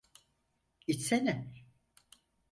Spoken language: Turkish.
İçsene.